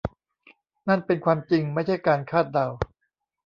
นั่นเป็นความจริงไม่ใช่การคาดเดา